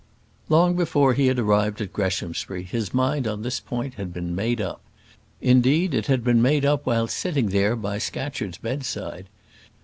Long before he had arrived at Greshamsbury his mind on this point had been made up. Indeed, it had been made up while sitting there by Scatcherd's bedside.